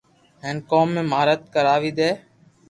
ھيين ڪوم ۾ ماھارت ڪروا دي